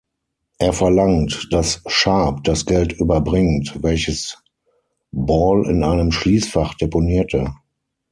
Er verlangt, dass Sharp das Geld überbringt, welches Ball in einem Schließfach deponierte.